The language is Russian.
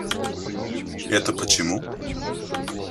Это почему?